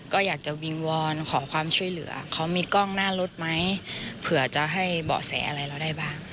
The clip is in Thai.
ก็อยากจะวิงวอนขอความช่วยเหลือเขามีกล้องหน้ารถไหมเผื่อจะให้เบาะแสอะไรเราได้บ้าง